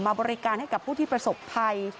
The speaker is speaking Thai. บริการให้กับผู้ที่ประสบภัย